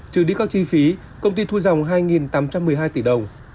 trừ đi các chi phí công ty thu dòng hai tám trăm một mươi hai tỷ đồng